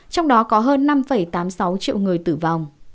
trong đó có hơn năm tám mươi sáu triệu người tử vong